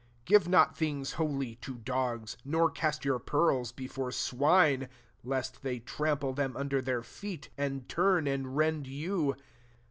6 •* Give not things holy to dog^9 nor cast your pearls be fore swine, lest they trample them under their feet, and turn tnd rend you.